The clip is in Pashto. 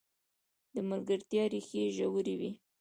د ملګرتیا ریښې ژورې وي.